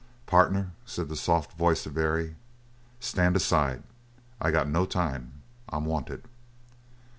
"Partner," said the soft voice of Barry, "stand aside. I got no time, I'm wanted!"